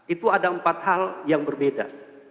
itu ada empat hal yang berbeda